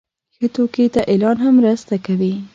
ښه توکي ته اعلان هم مرسته کوي.